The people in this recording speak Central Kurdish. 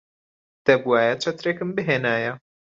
دەبوایە چەترێکم بهێنایە.